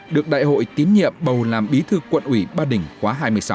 được đại hội tín nhiệm bầu làm bí thư quận ủy ba đình khóa hai mươi sáu